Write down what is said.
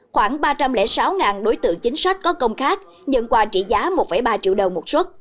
khoảng ba trăm linh sáu đối tượng chính sách có công khác nhận quà trị giá một ba triệu đồng một xuất